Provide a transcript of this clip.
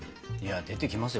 出てきますよ。